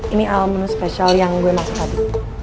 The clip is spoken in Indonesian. ini alat menu spesial yang gue masuk tadi